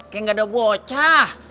kayak nggak ada bocah